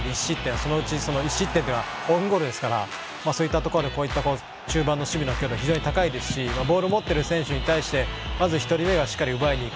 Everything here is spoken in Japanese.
そのうち、その１失点というのはオウンゴールですからそういったところでこういう守備の強度が非常に高いですしボールを持ってる選手に対してまず１人目がしっかり奪いに行く。